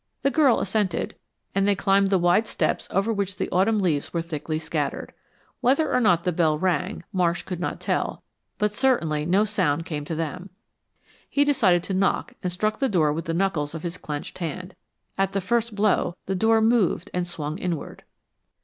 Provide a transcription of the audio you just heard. The girl assented, and they climbed the wide steps over which the autumn leaves were thickly scattered. Whether or not the bell rang, Marsh could not tell, but certainly no sound came to them. He decided to knock and struck the door with the knuckles of his clenched hand. At the first blow, the door moved and swung inward.